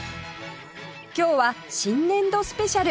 今日は新年度スペシャル！